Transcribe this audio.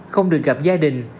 không được gặp gia đình